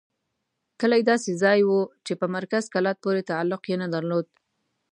کلی داسې ځای وو چې په مرکز کلات پورې تعلق یې نه درلود.